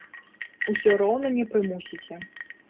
Усё роўна не прымусіце.